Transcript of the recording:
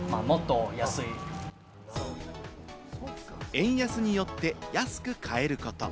円安によって安く買えること。